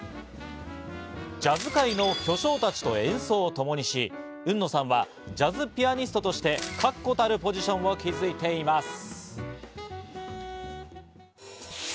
さらにジャズ界の巨匠たちと演奏をともにし、海野さんはジャズピアニストとして確固たるポジションを築いています。